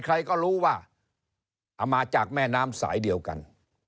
ใครก็รู้ว่าเอามาจากแม่น้ำสายเดียวกัน